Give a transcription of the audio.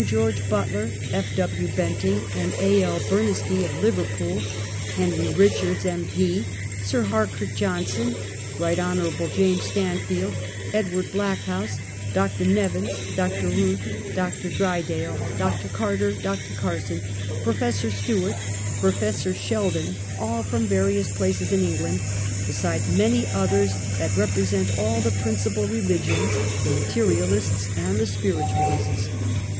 George Butler, F. W. Benting and A. L. Bernistee, of Liverpool ; Henry Richards, M. P., Sir Harcourt Johnson, Eight Hon. James Stanfield, Edward Blackhouse, Dr. ^e vins. Dr. Eouth, Dr. Drydale, Dr. Carter, Dr. Carson, Prof. Stewart, Prof. Sheldon, all from various places in England, besides many others that represent all the principal religions, the Materialists and the Spirt u alists.